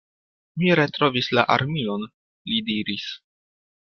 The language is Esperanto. Mi retrovis la armilon, li diris.